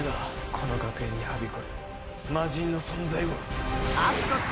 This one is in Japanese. この学園に蔓延る魔人の存在を。